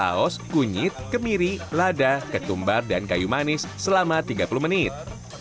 kaos kunyit kemiri lada ketumbar dan kayu manis selama tiga puluh menit